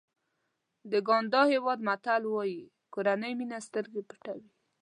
د ګاڼډا هېواد متل وایي کورنۍ مینه سترګې پټوي.